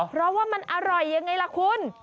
เพราะว่ามันอร่อยยังไงล่ะคุณ